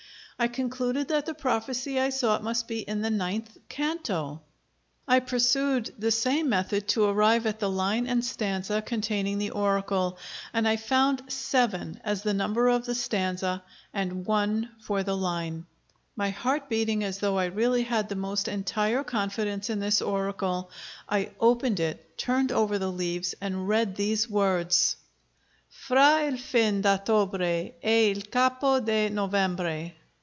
I concluded that the prophecy I sought must be in the ninth canto. I pursued the same method to arrive at the line and stanza containing the oracle, and I found seven as the number of the stanza, and one for the line. I took up the poem, my heart beating as though I really had the most entire confidence in this oracle. I opened it, turned over the leaves, and read these words: "Fra il fin d'Ottobre e il capo di Novembre."